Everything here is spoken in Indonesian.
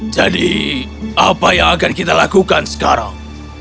jadi apa yang akan kita lakukan sekarang